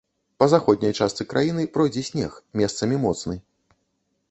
Па заходняй частцы краіны пройдзе снег, месцамі моцны.